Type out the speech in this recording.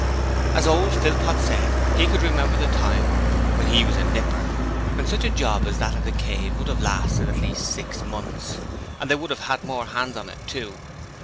As old Philpot said, he could remember the time, when he was a nipper, when such a 'job' as that at 'The Cave' would have lasted at least six months, and they would have had more hands on it too!